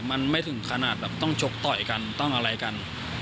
มันไม่ถึงขนาดแบบต้องชกต่อยกันต้องอะไรกัน